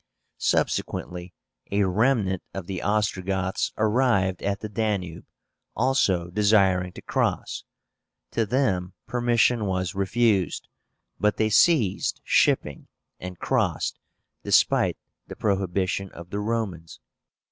Subsequently a remnant of the Ostrogoths arrived at the Danube, also desiring to cross. To them permission was refused, but they seized shipping and crossed, despite the prohibition of the Romans.